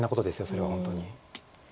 それは本当に。